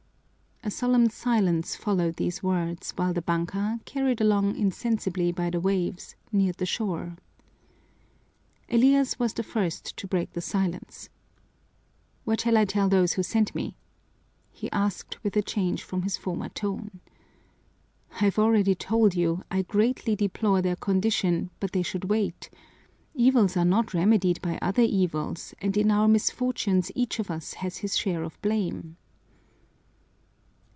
A solemn silence followed these words, while the banka, carried along insensibly by the waves, neared the shore. Elias was the first to break the silence. "What shall I tell those who sent me?" he asked with a change from his former tone. "I've already told you: I greatly deplore their condition, but they should wait. Evils are not remedied by other evils, and in our misfortunes each of us has his share of blame."